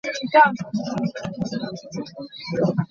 It was directed by Robert Wise.